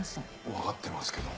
わかってますけど。